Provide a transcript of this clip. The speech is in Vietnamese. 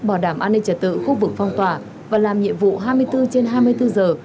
bảo đảm an ninh trật tự khu vực phong tỏa và làm nhiệm vụ hai mươi bốn trên hai mươi bốn giờ